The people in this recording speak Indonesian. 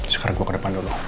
sekarang gue ke depan dulu